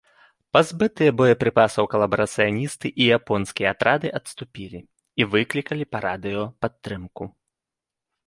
Пазбытыя боепрыпасаў калабарацыяністы і японскія атрады адступілі і выклікалі па радыё падтрымку.